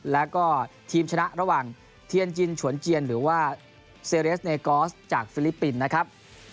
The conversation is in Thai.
แล้วก็ทีมชนะระหว่างเทียนจินฉวนเจียนหรือว่าเซเรสเนกอสจากฟิลิปปินส์นะครับ